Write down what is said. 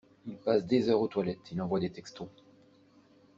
Il passe des heures aux toilettes, il envoie des textos.